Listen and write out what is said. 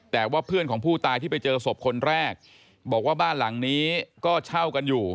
แต่ว่าเพื่อนของผู้ตายที่ไปเจอศพคนแรกบอกว่าบ้านหลังนี้ก็เช่ากันอยู่